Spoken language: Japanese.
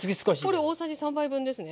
これ大さじ３杯分ですね。